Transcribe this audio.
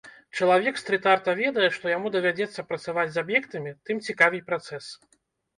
Чалавек стрыт-арта ведае, што яму давядзецца працаваць з аб'ектамі, тым цікавей працэс.